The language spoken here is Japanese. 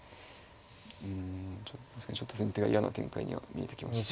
うん確かにちょっと先手が嫌な展開には見えてきました。